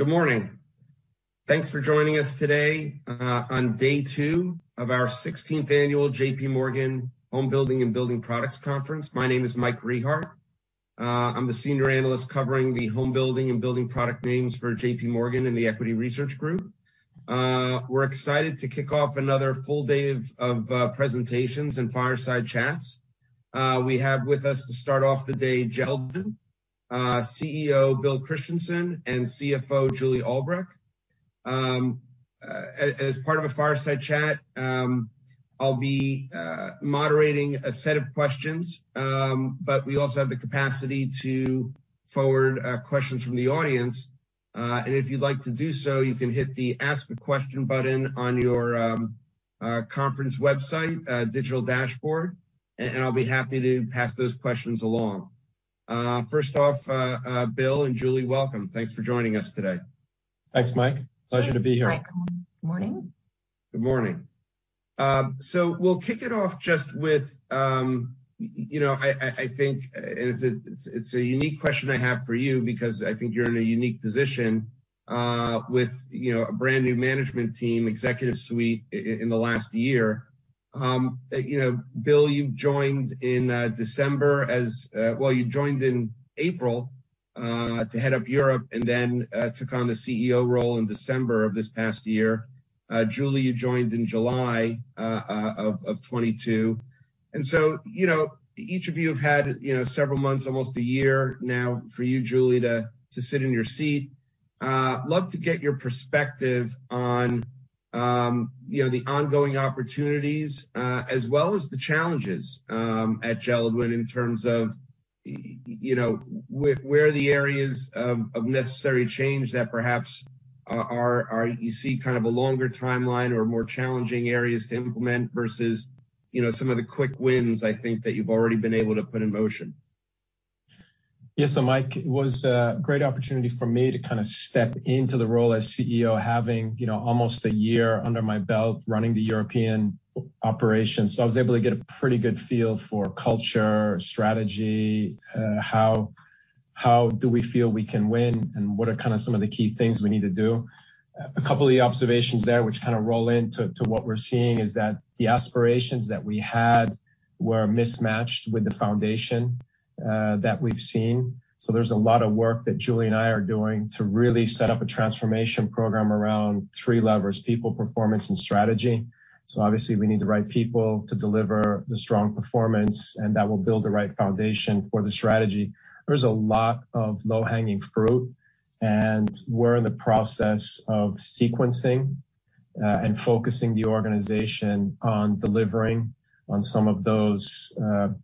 Good morning. Thanks for joining us today on day two of our 16th annual JPMorgan Home Building and Building Products Conference. My name is Michael Rehaut. I'm the senior analyst covering the home building and building product names for JPMorgan in the equity research group. We're excited to kick off another full day of presentations and fireside chats. We have with us to start off the day JELD-WEN, CEO, William Christensen, and CFO, Julie Albrecht. As part of a fireside chat, I'll be moderating a set of questions, but we also have the capacity to forward questions from the audience. If you'd like to do so, you can hit the Ask a Question button on your conference website, digital dashboard, and I'll be happy to pass those questions along. First off, Bill and Julie, welcome. Thanks for joining us today. Thanks, Mike. Pleasure to be here. Thanks, Mike. Morning. Good morning. We'll kick it off just with, you know, I, I think it's a, it's a unique question I have for you because I think you're in a unique position, with, you know, a brand-new management team, executive suite in the last year. You know, Bill, you joined in December, you joined in April, to head up Europe and then, took on the CEO role in December of this past year. Julie, you joined in July of 2022. You know, each of you have had, you know, several months, almost a year now for you, Julie, to sit in your seat. love to get your perspective on, you know, the ongoing opportunities, as well as the challenges, at JELD-WEN in terms of, you know, where are the areas of necessary change that perhaps, are you see kind of a longer timeline or more challenging areas to implement versus, you know, some of the quick wins, I think that you've already been able to put in motion. Mike, it was a great opportunity for me to kind of step into the role as CEO, having, you know, almost a year under my belt running the European operations. I was able to get a pretty good feel for culture, strategy, how do we feel we can win, and what are kind of some of the key things we need to do. A couple of the observations there which kind of roll into what we're seeing is that the aspirations that we had were mismatched with the foundation that we've seen. There's a lot of work that Julie and I are doing to really set up a transformation program around three levers: people, performance, and strategy. Obviously, we need the right people to deliver the strong performance, and that will build the right foundation for the strategy. There's a lot of low-hanging fruit, and we're in the process of sequencing, and focusing the organization on delivering on some of those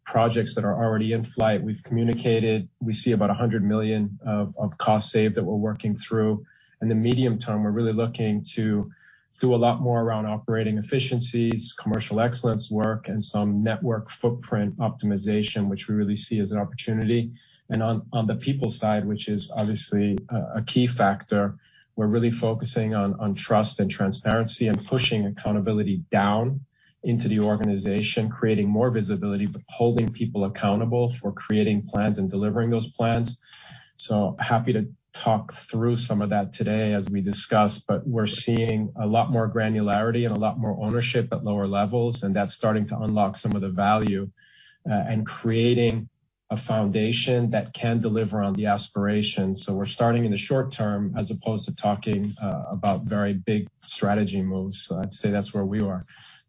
projects that are already in flight. We've communicated. We see about $100 million of cost save that we're working through. In the medium term, we're really looking to do a lot more around operating efficiencies, commercial excellence work, and some network footprint optimization, which we really see as an opportunity. On the people side, which is obviously a key factor, we're really focusing on trust and transparency and pushing accountability down into the organization, creating more visibility, but holding people accountable for creating plans and delivering those plans. Happy to talk through some of that today as we discuss, but we're seeing a lot more granularity and a lot more ownership at lower levels, and that's starting to unlock some of the value, and creating a foundation that can deliver on the aspirations. We're starting in the short term as opposed to talking about very big strategy moves. I'd say that's where we are.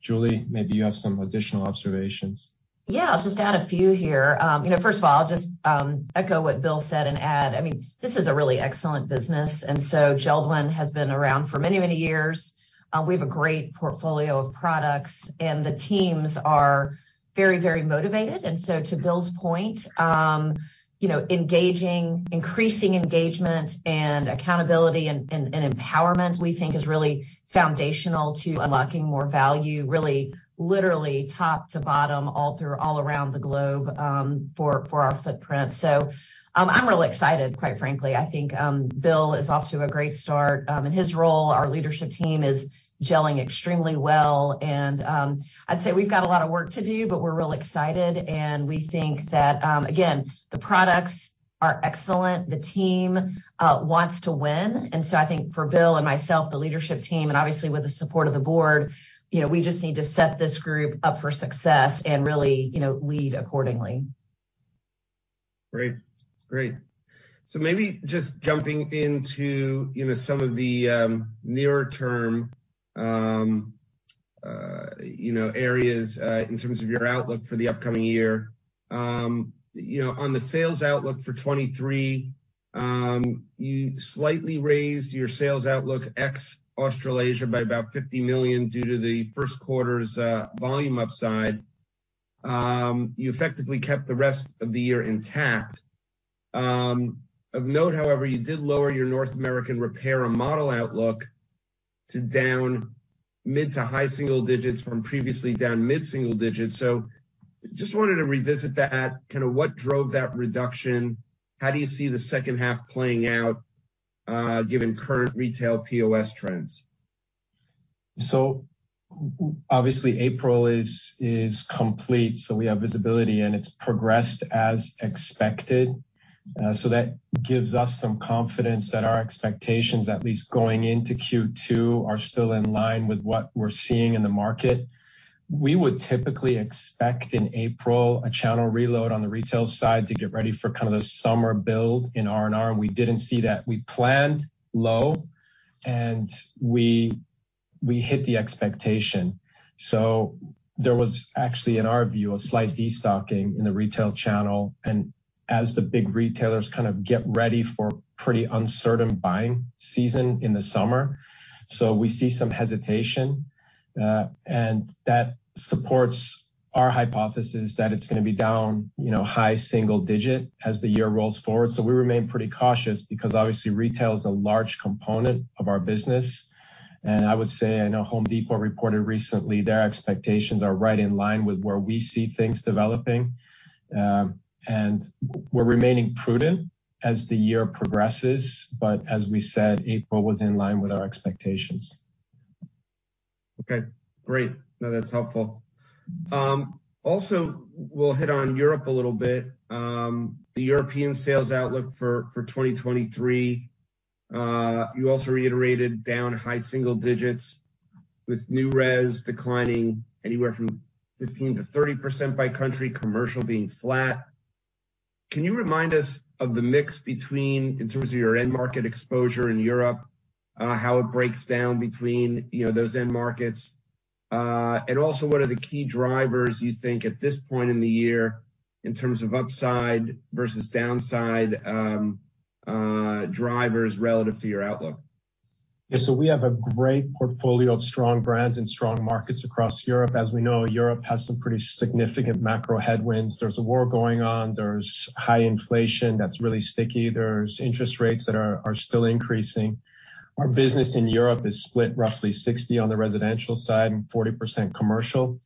Julie, maybe you have some additional observations. Yeah. I'll just add a few here. You know, first of all, I'll just echo what Bill said and add. I mean, this is a really excellent business. JELD-WEN has been around for many, many years. We have a great portfolio of products, and the teams are very, very motivated. To Bill's point, you know, engaging, increasing engagement and accountability and empowerment, we think is really foundational to unlocking more value, really, literally top to bottom all through, all around the globe, for our footprint. I'm really excited, quite frankly. I think Bill is off to a great start in his role. Our leadership team is gelling extremely well. I'd say we've got a lot of work to do, but we're really excited. We think that, again, the products are excellent. The team wants to win. I think for Bill and myself, the leadership team, and obviously with the support of the board, you know, we just need to set this group up for success and really, you know, lead accordingly. Great. Great. Maybe just jumping into, you know, some of the nearer term, you know, areas in terms of your outlook for the upcoming year. You know, on the sales outlook for 2023, you slightly raised your sales outlook ex Australasia by about $50 million due to the first quarter's volume upside. You effectively kept the rest of the year intact. Of note, however, you did lower your North American repair and remodel outlook to down mid to high single digits from previously down mid single digits. Just wanted to revisit that, kind of what drove that reduction? How do you see the second half playing out given current retail POS trends? Obviously April is complete, so we have visibility, and it's progressed as expected. That gives us some confidence that our expectations, at least going into Q2, are still in line with what we're seeing in the market. We would typically expect in April a channel reload on the retail side to get ready for kind of the summer build in RNR, and we didn't see that. We planned low, and we hit the expectation. There was actually, in our view, a slight destocking in the retail channel as the big retailers kind of get ready for pretty uncertain buying season in the summer. We see some hesitation, and that supports our hypothesis that it's gonna be down, you know, high single digit as the year rolls forward. We remain pretty cautious because obviously retail is a large component of our business. I would say, I know The Home Depot reported recently their expectations are right in line with where we see things developing. We're remaining prudent as the year progresses, but as we said, April was in line with our expectations. Okay, great. No, that's helpful. Also, we'll hit on Europe a little bit. The European sales outlook for 2023, you also reiterated down high single digits with new res declining anywhere from 15%-30% by country, commercial being flat. Can you remind us of the mix between, in terms of your end market exposure in Europe, how it breaks down between, you know, those end markets? Also, what are the key drivers you think at this point in the year in terms of upside versus downside, drivers relative to your outlook? We have a great portfolio of strong brands and strong markets across Europe. As we know, Europe has some pretty significant macro headwinds. There's a war going on. There's high inflation that's really sticky. There's interest rates that are still increasing. Our business in Europe is split roughly 60% on the residential side and 40% commercial.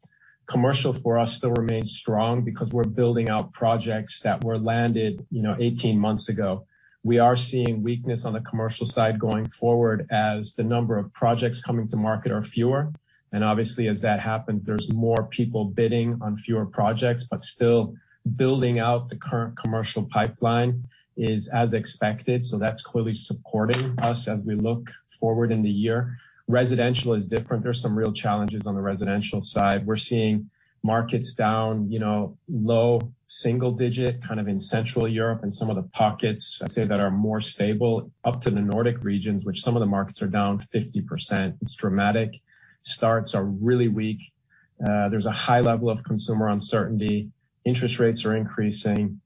Commercial for us still remains strong because we're building out projects that were landed, you know, 18 months ago. We are seeing weakness on the commercial side going forward as the number of projects coming to market are fewer. Obviously, as that happens, there's more people bidding on fewer projects, still building out the current commercial pipeline is as expected, that's clearly supporting us as we look forward in the year. Residential is different. There's some real challenges on the residential side. We're seeing markets down, you know, low single digit, kind of in Central Europe and some of the pockets I'd say that are more stable up to the Nordic regions, which some of the markets are down 50%. It's dramatic. Starts are really weak. There's a high level of consumer uncertainty. Interest rates are increasing.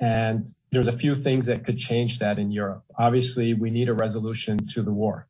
There's a few things that could change that in Europe. Obviously, we need a resolution to the war.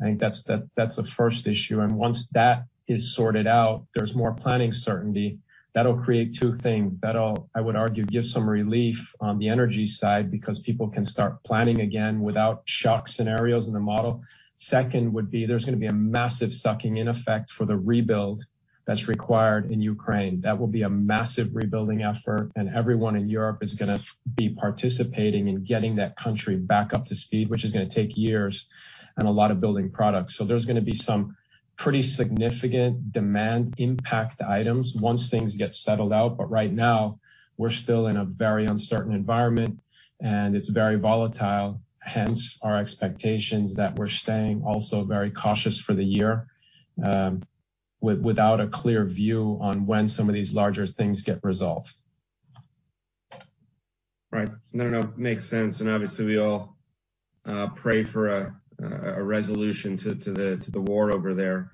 I think that's the first issue. Once that is sorted out, there's more planning certainty. That'll create two things. That'll, I would argue, give some relief on the energy side because people can start planning again without shock scenarios in the model. Second would be there's gonna be a massive sucking in effect for the rebuild that's required in Ukraine. That will be a massive rebuilding effort. Everyone in Europe is gonna be participating in getting that country back up to speed, which is gonna take years and a lot of building products. There's gonna be some pretty significant demand impact items once things get settled out. Right now, we're still in a very uncertain environment, and it's very volatile. Hence our expectations that we're staying also very cautious for the year, without a clear view on when some of these larger things get resolved. Right. No, no, makes sense. Obviously, we all pray for a resolution to the war over there.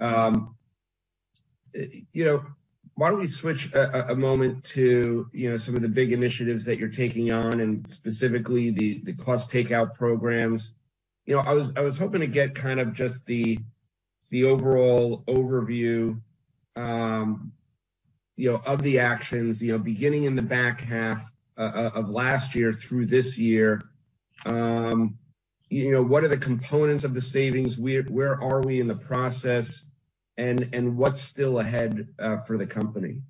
Yeah. You know, why don't we switch a moment to, you know, some of the big initiatives that you're taking on and specifically the cost takeout programs. You know, I was hoping to get kind of just the overall overview, you know, of the actions, you know, beginning in the back half of last year through this year. You know, what are the components of the savings? Where are we in the process? What's still ahead for the company?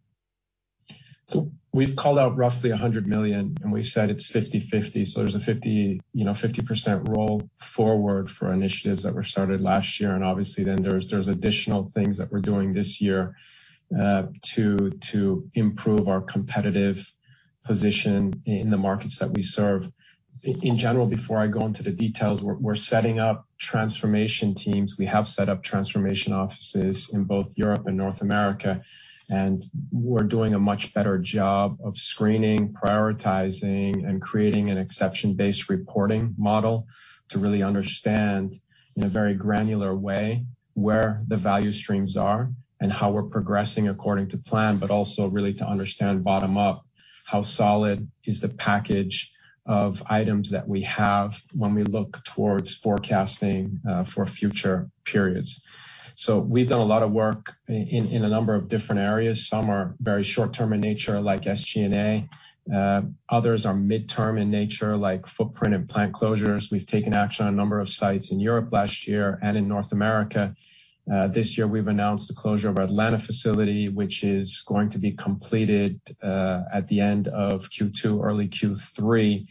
We've called out roughly $100 million, and we said it's 50/50. There's a 50%, you know, 50% roll forward for initiatives that were started last year, and obviously then there's additional things that we're doing this year to improve our competitive position in the markets that we serve. In general, before I go into the details, we're setting up transformation teams. We have set up transformation offices in both Europe and North America, and we're doing a much better job of screening, prioritizing, and creating an exception-based reporting model to really understand, in a very granular way, where the value streams are and how we're progressing according to plan, but also really to understand bottom up how solid is the package of items that we have when we look towards forecasting for future periods. We've done a lot of work in a number of different areas. Some are very short term in nature, like SG&A. Others are midterm in nature, like footprint and plant closures. We've taken action on a number of sites in Europe last year and in North America. This year, we've announced the closure of our Atlanta facility, which is going to be completed at the end of Q2, early Q3.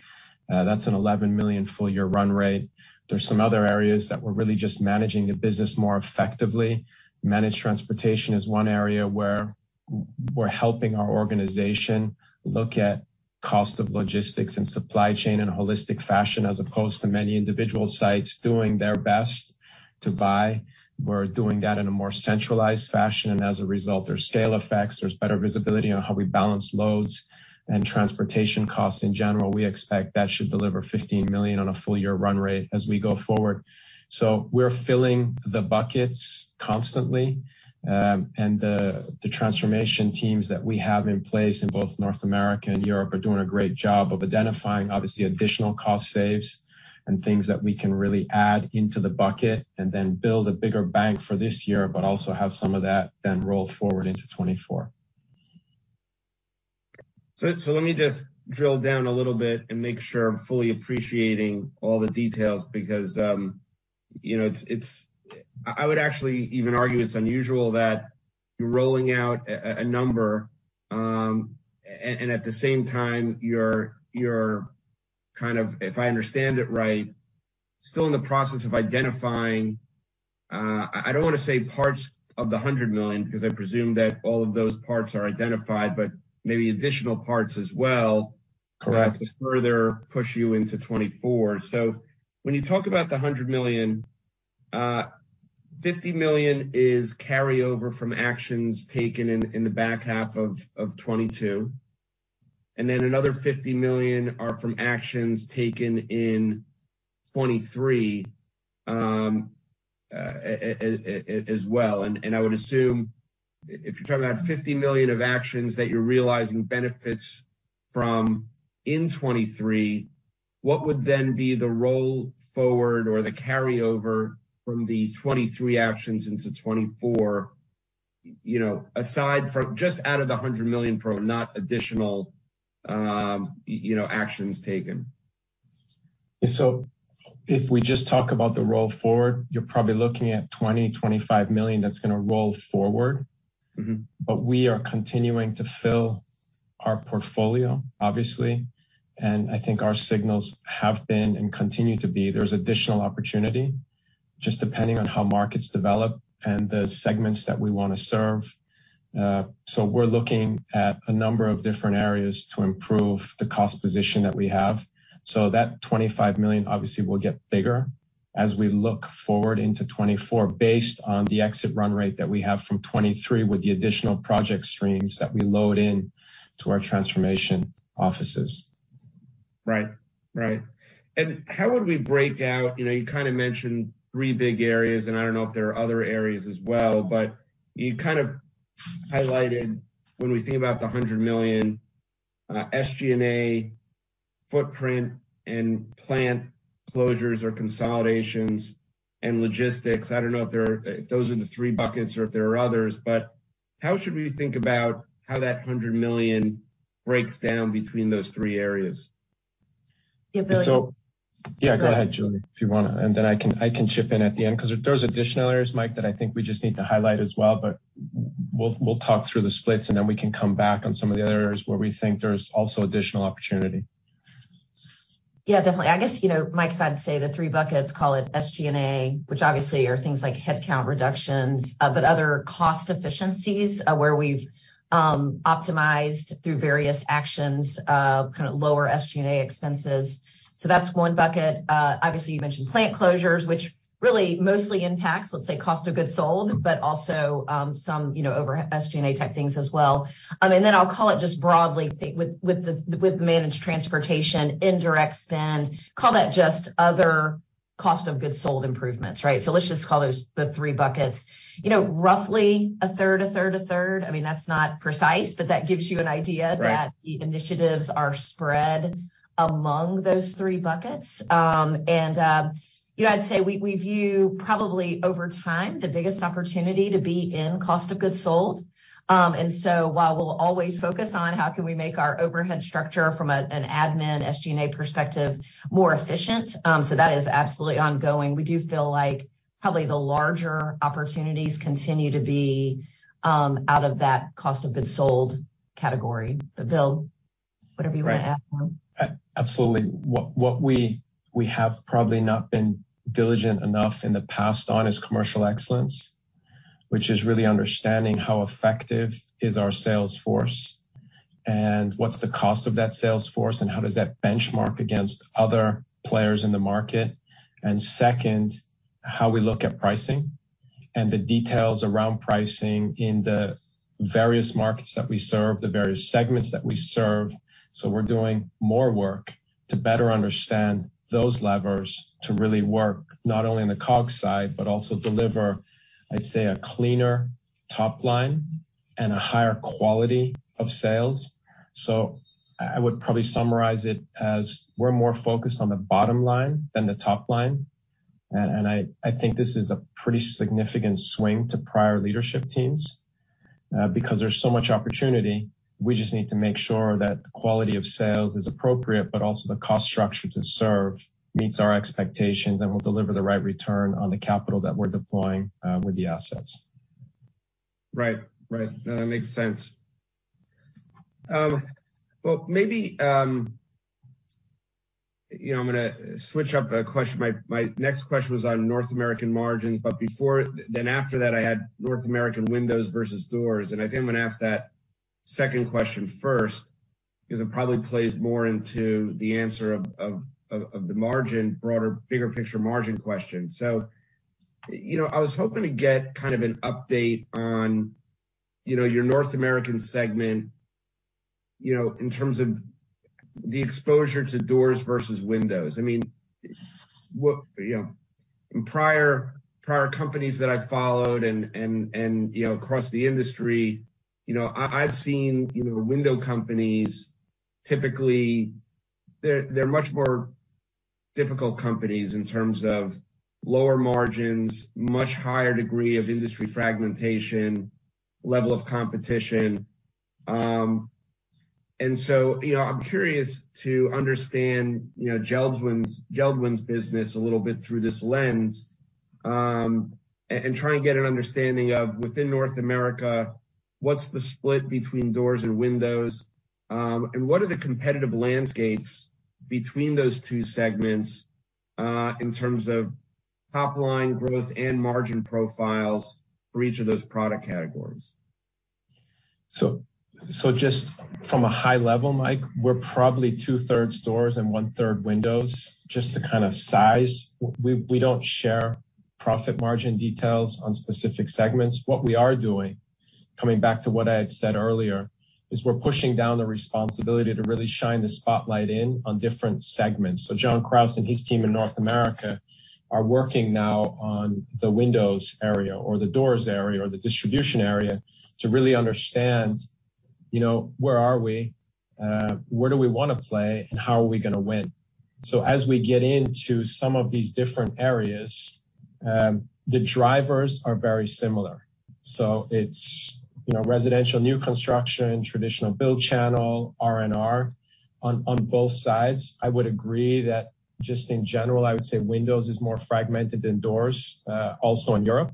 That's an $11 million full year run rate. There's some other areas that we're really just managing the business more effectively. Managed transportation is one area where we're helping our organization look at cost of logistics and supply chain in a holistic fashion, as opposed to many individual sites doing their best to buy. We're doing that in a more centralized fashion, and as a result, there's scale effects. There's better visibility on how we balance loads and transportation costs in general. We expect that should deliver $15 million on a full year run rate as we go forward. We're filling the buckets constantly. The transformation teams that we have in place in both North America and Europe are doing a great job of identifying obviously additional cost saves and things that we can really add into the bucket and then build a bigger bank for this year, but also have some of that then roll forward into 2024. Good. Let me just drill down a little bit and make sure I'm fully appreciating all the details because, you know, I would actually even argue it's unusual that you're rolling out a number, and at the same time, you're kind of, if I understand it right, still in the process of identifying, I don't wanna say parts of the $100 million because I presume that all of those parts are identified, but maybe additional parts as well. Correct. -that further push you into 2024. When you talk about the $100 million, $50 million is carryover from actions taken in the back half of 2022, and then another $50 million are from actions taken in 2023 as well. I would assume if you're talking about $50 million of actions that you're realizing benefits from in 2023, what would then be the roll forward or the carry-over from the 2023 actions into 2024? You know, aside from just out of the $100 million from not additional, you know, actions taken. If we just talk about the roll forward, you're probably looking at $20 million-$25 million that's gonna roll forward. Mm-hmm. We are continuing to fill our portfolio, obviously. I think our signals have been and continue to be, there's additional opportunity, just depending on how markets develop and the segments that we wanna serve. We're looking at a number of different areas to improve the cost position that we have. That $25 million obviously will get bigger as we look forward into 2024 based on the exit run rate that we have from 2023 with the additional project streams that we load in to our transformation offices. Right. Right. How would we break out? You know, you kinda mentioned three big areas, I don't know if there are other areas as well. You kind of highlighted when we think about the $100 million SG&A, footprint, and plant closures or consolidations and logistics. I don't know if those are the three buckets or if there are others. How should we think about how that $100 million breaks down between those three areas? Yeah, Bill. So... Go ahead. Yeah, go ahead, Julie, if you wanna. Then I can chip in at the end 'cause there's additional areas, Mike, that I think we just need to highlight as well. We'll talk through the splits, then we can come back on some of the other areas where we think there's also additional opportunity. Yeah, definitely. I guess, you know, Mike, if I had to say the three buckets, call it SG&A, which obviously are things like headcount reductions, but other cost efficiencies, where we've optimized through various actions, kinda lower SG&A expenses. That's one bucket. Obviously, you mentioned plant closures, which really mostly impacts, let's say, cost of goods sold, but also some, you know, over SG&A type things as well. Then I'll call it just broadly with the managed transportation, indirect spend, call that just other cost of goods sold improvements, right? Let's just call those the three buckets. You know, roughly a third, a third, a third. I mean, that's not precise, but that gives you an idea- Right. that the initiatives are spread among those three buckets. You know, I'd say we view probably over time, the biggest opportunity to be in cost of goods sold. While we'll always focus on how can we make our overhead structure from an admin SG&A perspective more efficient, that is absolutely ongoing. We do feel like probably the larger opportunities continue to be out of that cost of goods sold category. Bill, whatever you wanna add more. Right. Absolutely. What we have probably not been diligent enough in the past on is commercial excellence, which is really understanding how effective is our sales force, and what's the cost of that sales force, and how does that benchmark against other players in the market. Second, how we look at pricing and the details around pricing in the various markets that we serve, the various segments that we serve. We're doing more work to better understand those levers to really work not only in the COGS side, but also deliver, I'd say, a cleaner top line and a higher quality of sales. I would probably summarize it as we're more focused on the bottom line than the top line. I think this is a pretty significant swing to prior leadership teams because there's so much opportunity. We just need to make sure that the quality of sales is appropriate, but also the cost structure to serve meets our expectations and will deliver the right return on the capital that we're deploying with the assets. Right. Right. No, that makes sense. Well, maybe, you know, I'm gonna switch up the question. My next question was on North American margins, but then after that, I had North American windows versus doors. I think I'm gonna ask that second question first 'cause it probably plays more into the answer of the margin broader, bigger picture margin question. You know, I was hoping to get kind of an update on, you know, your North American segment, you know, in terms of the exposure to doors versus windows. I mean, what. You know, in prior companies that I've followed and, you know, across the industry, you know, I've seen, you know, window companies, typically, they're much more difficult companies in terms of lower margins, much higher degree of industry fragmentation, level of competition. You know, I'm curious to understand, you know, JELD-WEN's business a little bit through this lens, and try and get an understanding of within North America, what's the split between doors and windows, and what are the competitive landscapes between those two segments, in terms of top line growth and margin profiles for each of those product categories? Just from a high level, Mike, we're probably 2/3 doors and 1/3 windows, just to kind of size. We don't share profit margin details on specific segments. What we are doing, coming back to what I had said earlier, is we're pushing down the responsibility to really shine the spotlight in on different segments. John Krause and his team in North America are working now on the windows area or the doors area or the distribution area to really understand, you know, where are we, where do we wanna play, and how are we gonna win. As we get into some of these different areas, the drivers are very similar. It's, you know, residential new construction, traditional build channel, RNR on both sides. I would agree that just in general, I would say windows is more fragmented than doors, also in Europe.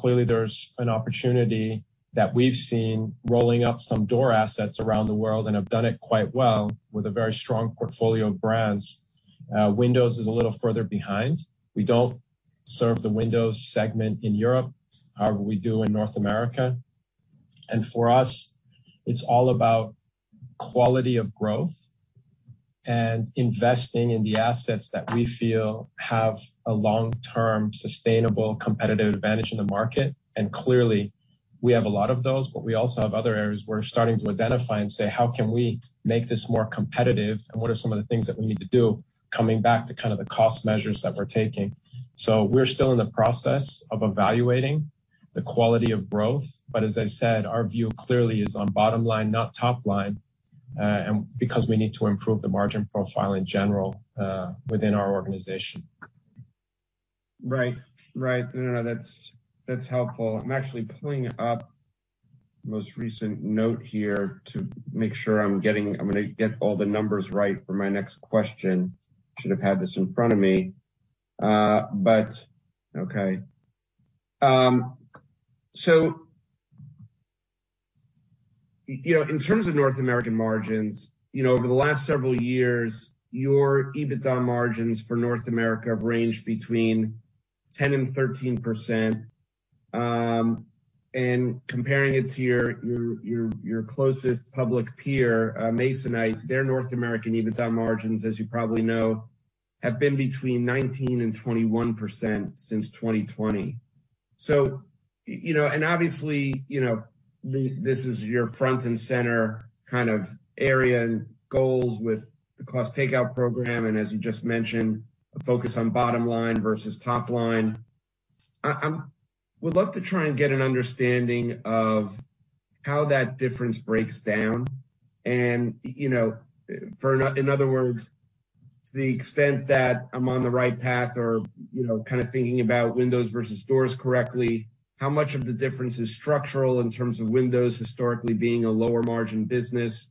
Clearly there's an opportunity that we've seen rolling up some door assets around the world and have done it quite well with a very strong portfolio of brands. Windows is a little further behind. We don't serve the windows segment in Europe, however, we do in North America. For us, it's all about quality of growth and investing in the assets that we feel have a long-term sustainable competitive advantage in the market. Clearly, we have a lot of those, but we also have other areas we're starting to identify and say, "How can we make this more competitive, and what are some of the things that we need to do?" Coming back to kind of the cost measures that we're taking. We're still in the process of evaluating the quality of growth. As I said, our view clearly is on bottom line, not top line, and because we need to improve the margin profile in general, within our organization. Right. Right. No, no, that's helpful. I'm actually pulling up most recent note here to make sure I'm gonna get all the numbers right for my next question. Should have had this in front of me. Okay. You know, in terms of North American margins, you know, over the last several years, your EBITDA margins for North America have ranged between 10%-13%. And comparing it to your closest public peer, Masonite, their North American EBITDA margins, as you probably know, have been between 19%-21% since 2020. You know, and obviously, you know, this is your front and center kind of area and goals with the cost takeout program, and as you just mentioned, a focus on bottom line versus top line. I would love to try and get an understanding of how that difference breaks down. You know, in other words, to the extent that I'm on the right path or, you know, kinda thinking about windows versus doors correctly, how much of the difference is structural in terms of windows historically being a lower margin business?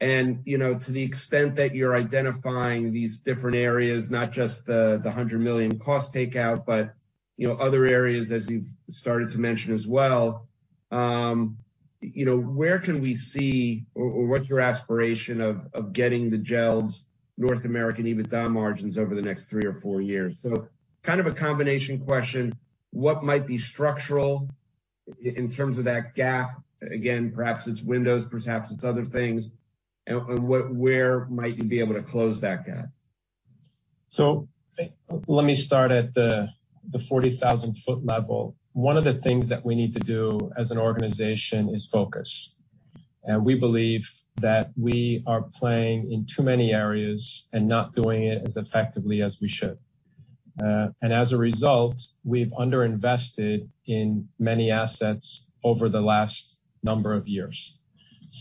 You know, to the extent that you're identifying these different areas, not just the $100 million cost takeout, but, you know, other areas as you've started to mention as well, you know, where can we see or what's your aspiration of getting JELD's North American EBITDA margins over the next three or four years? Kind of a combination question, what might be structural in terms of that gap? Again, perhaps it's windows, perhaps it's other things. Where might you be able to close that gap? Let me start at the 40,000 ft level. One of the things that we need to do as an organization is focus. We believe that we are playing in too many areas and not doing it as effectively as we should. As a result, we've underinvested in many assets over the last number of years.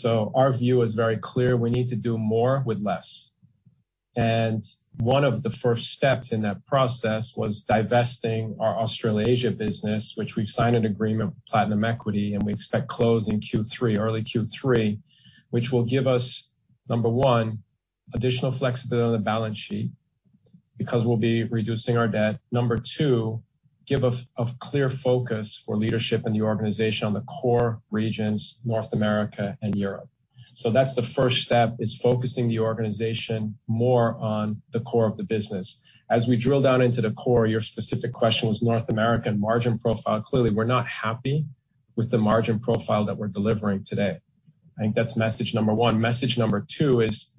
Our view is very clear. We need to do more with less. One of the first steps in that process was divesting our Australasia business, which we've signed an agreement with Platinum Equity, and we expect close in Q3, early Q3, which will give us, number one, additional flexibility on the balance sheet. Because we'll be reducing our debt. Number two, give a clear focus for leadership in the organization on the core regions, North America and Europe. That's the first step, is focusing the organization more on the core of the business. As we drill down into the core, your specific question was North American margin profile. Clearly, we're not happy with the margin profile that we're delivering today. I think that's message number one. Message number two is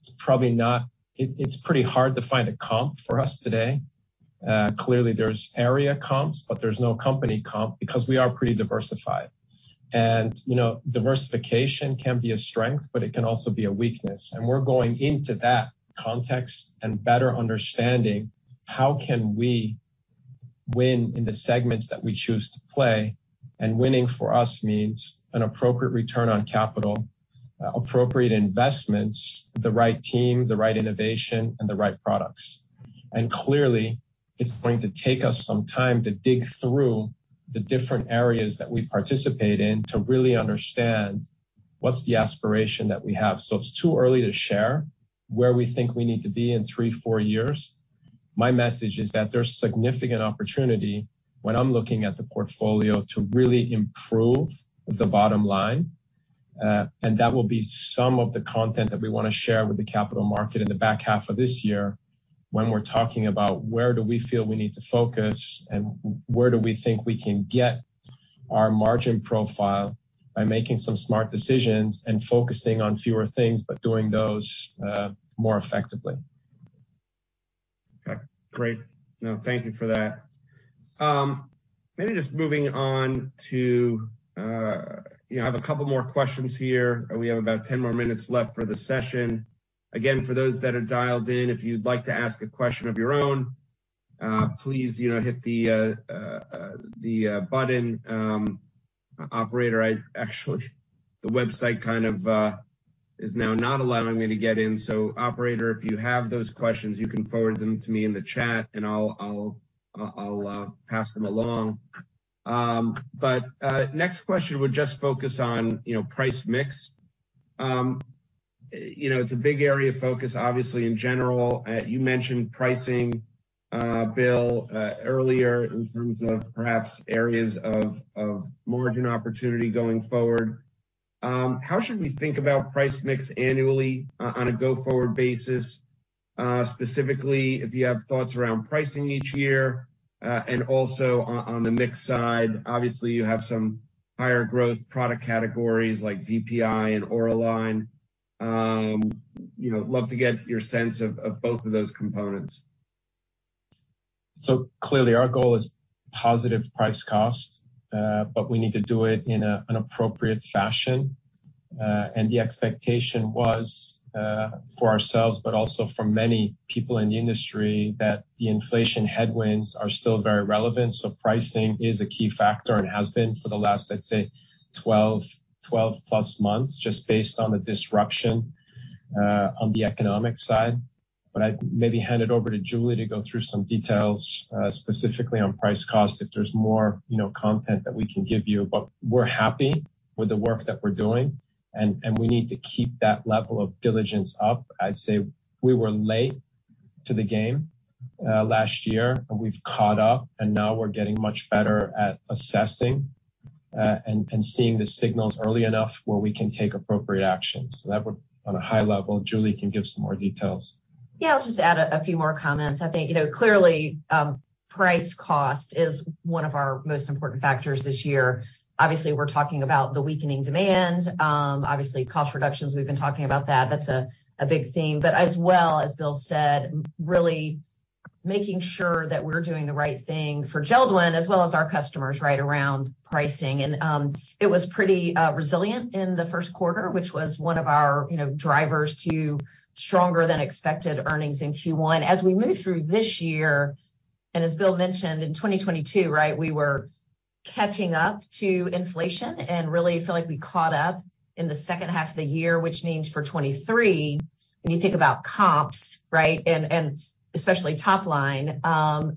it's probably pretty hard to find a comp for us today. Clearly, there's area comps, there's no company comp because we are pretty diversified. You know, diversification can be a strength, it can also be a weakness. We're going into that context and better understanding how can we win in the segments that we choose to play. Winning for us means an appropriate return on capital, appropriate investments, the right team, the right innovation, and the right products. Clearly, it's going to take us some time to dig through the different areas that we participate in to really understand what's the aspiration that we have. It's too early to share where we think we need to be in three, four years. My message is that there's significant opportunity when I'm looking at the portfolio to really improve the bottom line. That will be some of the content that we wanna share with the capital market in the back half of this year when we're talking about where do we feel we need to focus and where do we think we can get our margin profile by making some smart decisions and focusing on fewer things, but doing those more effectively. Okay, great. No, thank you for that. Maybe just moving on to, you know, I have a couple more questions here. We have about 10 more minutes left for the session. Again, for those that are dialed in, if you'd like to ask a question of your own, please, you know, hit the button. Operator, I actually The website kind of is now not allowing me to get in. Operator, if you have those questions, you can forward them to me in the chat, and I'll pass them along. Next question would just focus on, you know, price mix. You know, it's a big area of focus, obviously, in general. You mentioned pricing, Bill, earlier in terms of perhaps areas of margin opportunity going forward. How should we think about price mix annually on a go-forward basis? Specifically, if you have thoughts around pricing each year, and also on the mix side, obviously, you have some higher growth product categories like VPI and Auraline. You know, love to get your sense of both of those components. Clearly, our goal is positive price cost, but we need to do it in an appropriate fashion. The expectation was for ourselves but also for many people in the industry that the inflation headwinds are still very relevant, so pricing is a key factor and has been for the last, let's say, 12+ months, just based on the disruption on the economic side. I'd maybe hand it over to Julie to go through some details specifically on price cost, if there's more, you know, content that we can give you. We're happy with the work that we're doing and we need to keep that level of diligence up. I'd say we were late to the game, last year, and we've caught up, and now we're getting much better at assessing, and seeing the signals early enough where we can take appropriate actions. On a high level, Julie can give some more details. I'll just add a few more comments. I think, you know, clearly, price cost is one of our most important factors this year. Obviously, we're talking about the weakening demand. Obviously, cost reductions, we've been talking about that. That's a big theme. As well, as Bill said, really making sure that we're doing the right thing for JELD-WEN as well as our customers right around pricing. It was pretty resilient in the first quarter, which was one of our, you know, drivers to stronger than expected earnings in Q1. As we move through this year, as Bill mentioned, in 2022, right, we were catching up to inflation and really feel like we caught up in the second half of the year, which means for 2023, when you think about comps, right, and especially top line,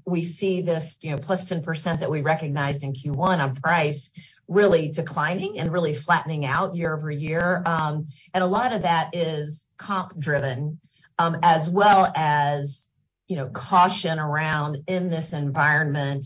we see this, you know, +10% that we recognized in Q1 on price really declining and really flattening out year-over-year. A lot of that is comp driven, as well as, you know, caution around in this environment.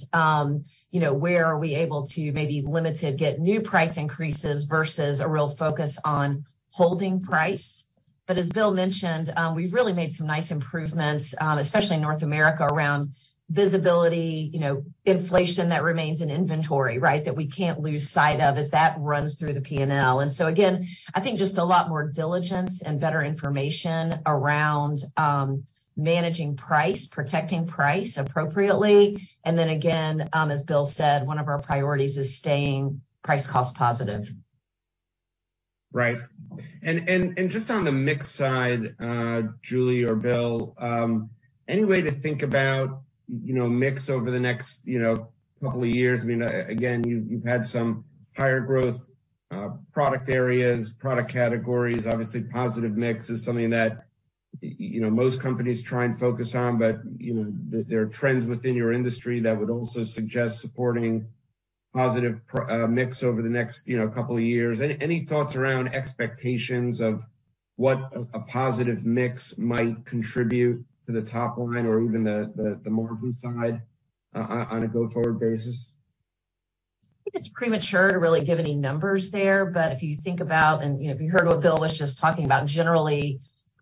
You know, where are we able to maybe limited get new price increases versus a real focus on holding price. As Bill mentioned, we've really made some nice improvements, especially in North America, around visibility, you know, inflation that remains in inventory, right? That we can't lose sight of as that runs through the P&L. Again, I think just a lot more diligence and better information around, managing price, protecting price appropriately. Again, as Bill said, one of our priorities is staying price cost positive. Just on the mix side, Julie or Bill, any way to think about, you know, mix over the next, you know, couple of years? I mean, again, you've had some higher growth, product areas, product categories. Obviously, positive mix is something that, you know, most companies try and focus on, but, you know, there are trends within your industry that would also suggest supporting positive mix over the next, you know, couple of years. Any thoughts around expectations of what a positive mix might contribute to the top line or even the margin side on a go-forward basis? I think it's premature to really give any numbers there. If you think about, you know, if you heard what Bill was just talking about, generally,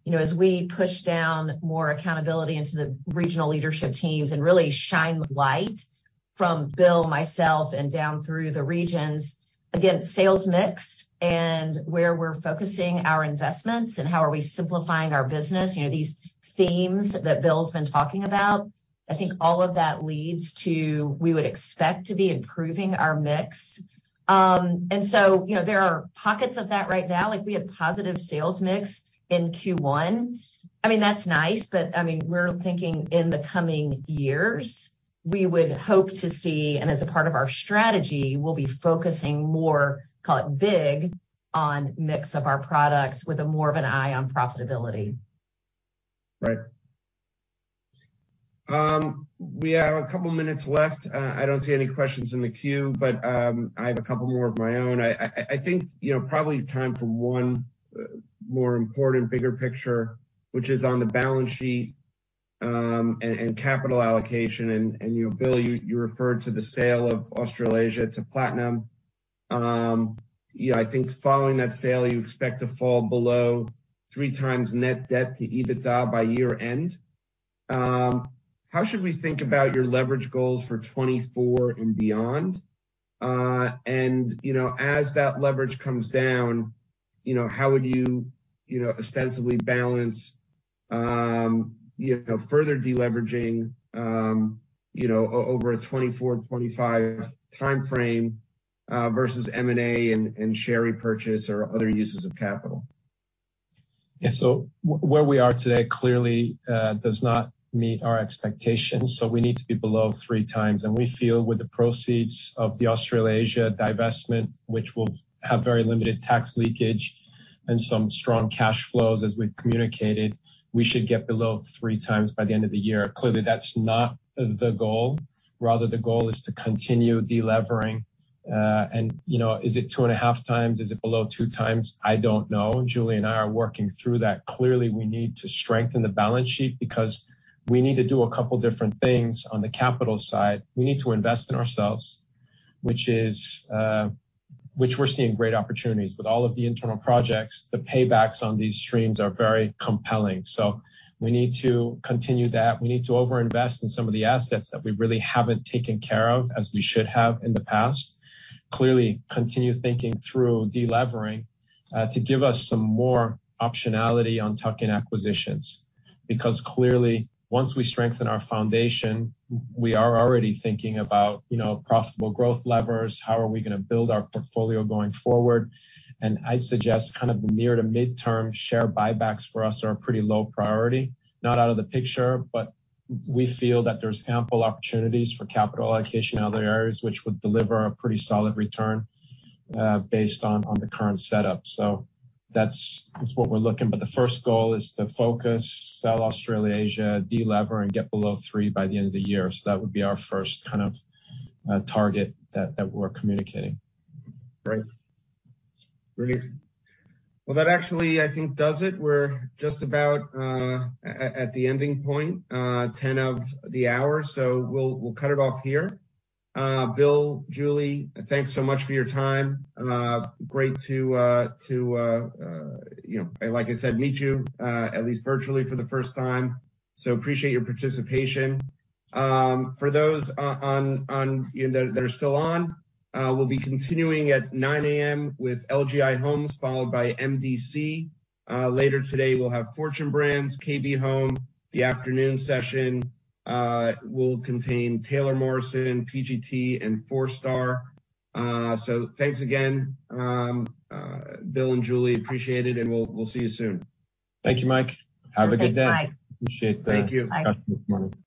you know, as we push down more accountability into the regional leadership teams and really shine the light from Bill, myself, and down through the regions, again, sales mix and where we're focusing our investments and how are we simplifying our business, you know, these themes that Bill's been talking about, I think all of that leads to we would expect to be improving our mix. You know, there are pockets of that right now. Like, we had positive sales mix in Q1. I mean, that's nice, but I mean, we're thinking in the coming years, we would hope to see, and as a part of our strategy, we'll be focusing more, call it big, on mix of our products with a more of an eye on profitability. Right. We have a couple minutes left. I don't see any questions in the queue, but I have a couple more of my own. I think, you know, probably time for one more important bigger picture, which is on the balance sheet, and capital allocation. You know, Bill, you referred to the sale of Australasia to Platinum. You know, I think following that sale, you expect to fall below 3x net debt to EBITDA by year-end. How should we think about your leverage goals for 2024 and beyond? You know, as that leverage comes down, you know, how would you know, ostensibly balance, you know, further deleveraging, you know, over a 2024/2025 timeframe, versus M&A and share repurchase or other uses of capital? Yeah. Where we are today clearly does not meet our expectations, so we need to be below 3x. We feel with the proceeds of the Australasia divestment, which will have very limited tax leakage and some strong cash flows as we've communicated, we should get below 3x by the end of the year. Clearly, that's not the goal. Rather, the goal is to continue delevering. You know, is it 2.5x? Is it below 2x? I don't know. Julie and I are working through that. Clearly, we need to strengthen the balance sheet because we need to do a couple different things on the capital side. We need to invest in ourselves, which is, which we're seeing great opportunities. With all of the internal projects, the paybacks on these streams are very compelling. We need to continue that. We need to over-invest in some of the assets that we really haven't taken care of as we should have in the past. Clearly, continue thinking through delevering, to give us some more optionality on tuck-in acquisitions. Because clearly, once we strengthen our foundation, we are already thinking about, you know, profitable growth levers, how are we going to build our portfolio going forward. I suggest kind of the near to mid term, share buybacks for us are a pretty low priority. Not out of the picture, but we feel that there's ample opportunities for capital allocation in other areas which would deliver a pretty solid return, based on the current setup. That's what we're looking. The first goal is to focus, sell Australasia, delever, and get below 3 by the end of the year. That would be our first kind of, target that we're communicating. Great. Great. Well, that actually, I think, does it. We're just about at the ending point, ten of the hour, so we'll cut it off here. Bill, Julie, thanks so much for your time. Great to, you know, like I said, meet you at least virtually for the first time, so appreciate your participation. For those on, you know, that are still on, we'll be continuing at 9:00 A.M. with LGI Homes followed by MDC. Later today, we'll have Fortune Brands, KB Home. The afternoon session will contain Taylor Morrison, PGT, and Forestar. Thanks again, Bill and Julie, appreciate it, and we'll see you soon. Thank you, Mike. Have a good day. Thanks, Mike. Appreciate. Thank you. Bye. Talk this morning.